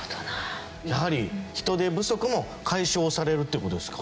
やはり人手不足も解消されるっていう事ですか？